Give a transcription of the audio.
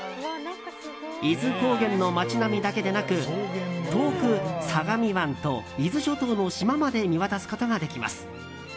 伊豆高原の町並みだけでなく遠く、相模湾と伊豆諸島の島まで見渡すことができます。